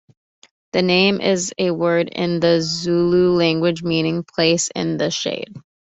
The name is a word in the Zulu language meaning place in the shade.